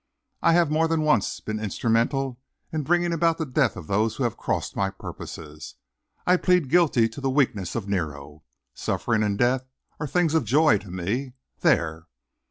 "I have more than once been instrumental in bringing about the death of those who have crossed my purposes. I plead guilty to the weakness of Nero. Suffering and death are things of joy to me. There!"